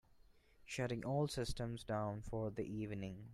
Shutting all systems down for the evening.